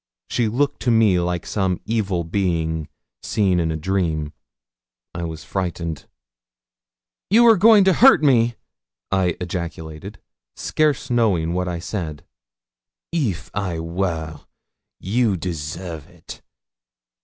She looked to me like some evil being seen in a dream. I was frightened. 'You are going to hurt me!' I ejaculated, scarce knowing what I said. 'If I were, you deserve it.